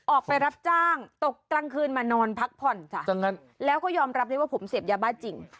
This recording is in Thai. ออกไปรับจ้างตกกลางคืนมานอนพักผ่อนจ้ะแล้วก็ยอมรับได้ว่าผมเสพยาบ้าจริง